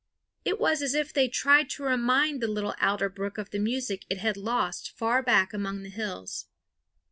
It was as if they tried to remind the little alder brook of the music it had lost far back among the hills.